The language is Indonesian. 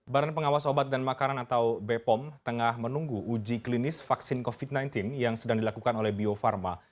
badan pengawas obat dan makanan atau bepom tengah menunggu uji klinis vaksin covid sembilan belas yang sedang dilakukan oleh bio farma